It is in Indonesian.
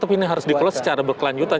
tapi ini harus di close secara berkelanjutan